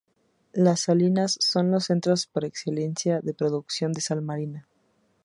Las salinas son los centros por excelencia de producción de sal marina.